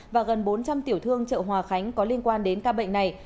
và gần bốn trăm linh tiểu thương chợ hòa khánh có liên quan đến ca bệnh này